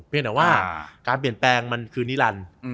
แต่ว่าการเปลี่ยนแปลงมันคือนิรันดิ์